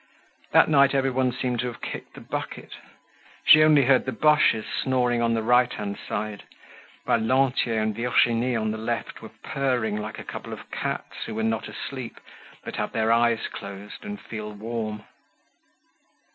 That night everyone seemed to have kicked the bucket. She only heard the Boches snoring on the right hand side, while Lantier and Virginie on the left were purring like a couple of cats who were not asleep, but have their eyes closed and feel warm.